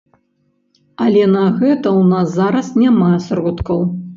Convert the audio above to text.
Але на гэта ў нас зараз няма сродкаў.